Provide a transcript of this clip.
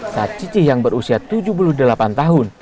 saat cicih yang berusia tujuh puluh delapan tahun